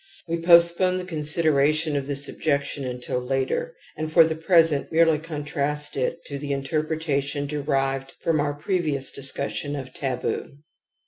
We postpone the consid eration of this objection until later and for the present merely contrast it to the interpretation derived from our previous discussion of taboo.